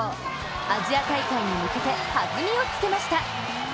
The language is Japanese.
アジア大会に向けて弾みをつけました。